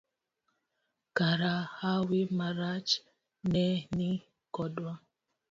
Kara hawi marach ne ni kodwa.